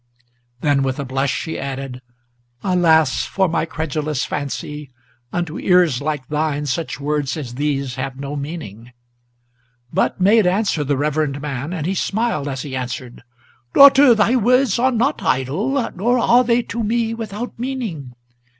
Then, with a blush, she added, "Alas for my credulous fancy! Unto ears like thine such words as these have no meaning." But made answer the reverend man, and he smiled as he answered, "Daughter, thy words are not idle; nor are they to me without meaning.